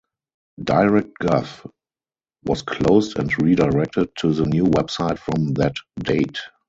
Directgov was closed and redirected to the new website from that date.